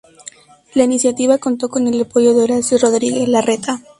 La iniciativa contó con el apoyo de Horacio Rodríguez Larreta.